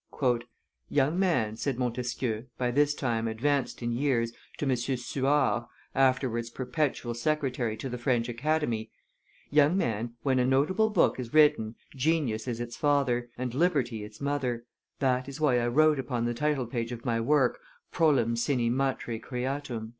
"Young man," said Montesquieu, by this time advanced in years, to M. Suard (afterwards perpetual secretary to the French Academy), "young man, when a notable book is written, genius is its father, and liberty its mother; that is why I wrote upon the title page of my work, "Prolem sine matre creatam."